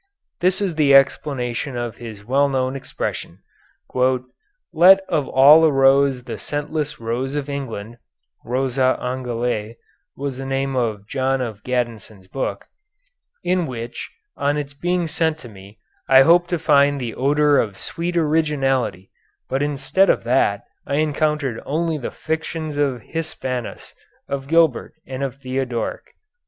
This is the explanation of his well known expression, "Last of all arose the scentless rose of England ['Rosa Angliæ' was the name of John of Gaddesden's book], in which, on its being sent to me, I hoped to find the odor of sweet originality, but instead of that I encountered only the fictions of Hispanus, of Gilbert, and of Theodoric."